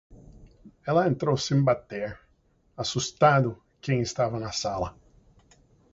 Ela entrou sem bater, assustado quem estava na sala.